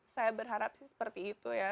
saya berharap sih seperti itu ya